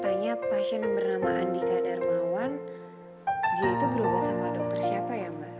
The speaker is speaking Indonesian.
saya mau tanya pasien yang bernama andika darmawan dia itu berubah sama dokter siapa ya mbak